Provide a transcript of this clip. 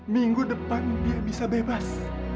minggu depan dia bisa bebas